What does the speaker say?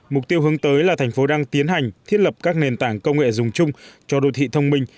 mục tiêu hướng tới là thành phố đang tiến hành thiết lập các nền tảng công nghệ dùng chung cho đô thị thông minh